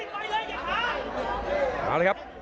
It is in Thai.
สองยกผ่านไปครับ